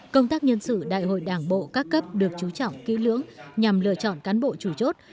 công tác nhân sự đại hội đảng bộ các cấp được chú trọng kỹ lưỡng nhằm lựa chọn cán bộ chủ chốt